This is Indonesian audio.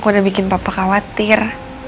udah bikin papa khawatir